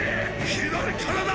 左からだ！！